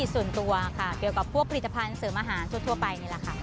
ส่วนตัวค่ะเกี่ยวกับพวกผลิตภัณฑ์เสริมอาหารทั่วไปนี่แหละค่ะ